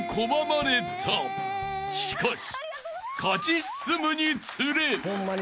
［しかし］